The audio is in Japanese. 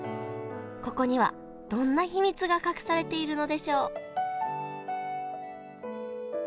ここにはどんな秘密が隠されているのでしょう？